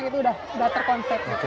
itu sudah terkonsep